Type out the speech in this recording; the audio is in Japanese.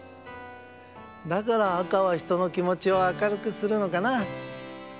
だから赤はひとのきもちを明るくするのかな。